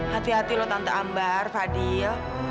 hati hati loh tante ambar fadil